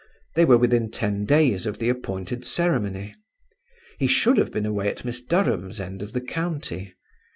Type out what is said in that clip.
They were within ten days of the appointed ceremony. He should have been away at Miss Durham's end of the county.